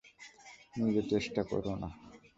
নিজে চেষ্টা কোরো না।